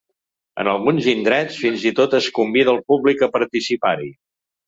En alguns indrets, fins i tot es convida el públic a participar-hi.